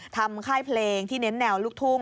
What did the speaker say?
ค่ายเพลงที่เน้นแนวลูกทุ่ง